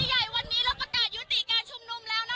ทุกคนฮะเวลา๑๐กรัดยุติการชุมนุมแล้วนะฮะ